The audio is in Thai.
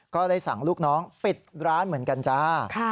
ก็ได้สั่งลูกน้องปิดร้านเหมือนกันจ้า